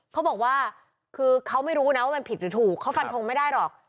เขาบอกว่าคือเขาไม่รู้นะว่ามันผิดหรือถูกเขาฟันทงไม่ได้หรอก